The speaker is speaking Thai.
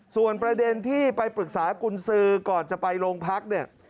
ส่วนประเด็นที่ไปปรึกษากุญสือก่อนจะไปโรงพักเนี่ย